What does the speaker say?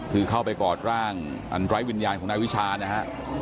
คือเข้าไปกอดร่างอันไร้วิญญาณของนายวิชานะฮะ